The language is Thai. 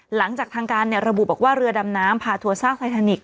หลังจากทางการระบุบอกว่าเรือดำน้ำพาทัวซากไททานิกส